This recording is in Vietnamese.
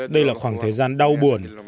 đây là khoảng thời gian đau buồn